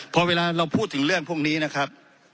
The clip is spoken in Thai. พอเวลาเราพูดถึงเรื่องพวกนี้นะครับ